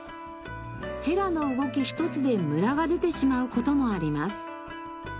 ヘラの動き一つでムラが出てしまう事もあります。